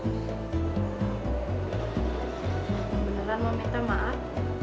beneran mau minta maaf